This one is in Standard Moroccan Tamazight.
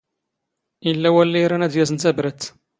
ⵉⵍⵍⴰ ⵡⴰⵍⵍⵉ ⵉⵔⴰⵏ ⴰⴷ ⵢⴰⵣⵏ ⵜⴰⴱⵔⴰⵜ.